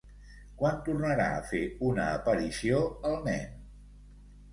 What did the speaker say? Quan tornarà a fer una aparició el nen?